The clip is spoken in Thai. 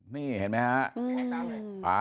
นี่เห็นมั้ยฮะ